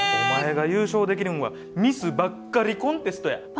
お前が優勝できるんはミスばっかりコンテストや。